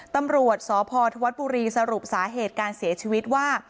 ตำรวจสพธวัฒน์บุรีสรุปสาเหตุการเสียชีวิตว่า